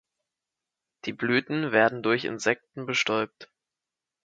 Die Blüten werden durch Insekten bestäubt.